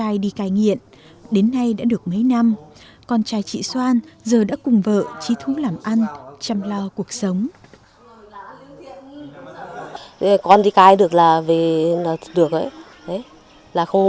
ai đi cai nghiện đến nay đã được mấy năm con trai chị xoan giờ đã cùng vợ trí thú làm ăn chăm lo cuộc sống